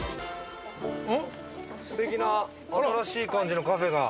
すてきな新しい感じのカフェが。